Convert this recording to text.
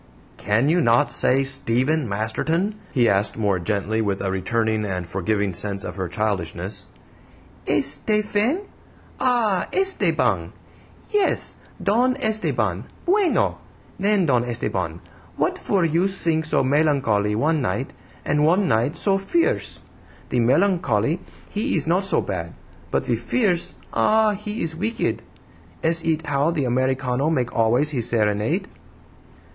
"Can you not say 'Stephen Masterton'?" he asked, more gently, with a returning and forgiving sense of her childishness. "Es stefen? Ah, ESTEBAN! Yes; Don Esteban! BUENO! Then, Don Esteban, what for you sink so melank olly one night, and one night so fierce? The melank olly, he ees not so bad; but the fierce ah! he is weeked! Ess it how the Americano make always his serenade?"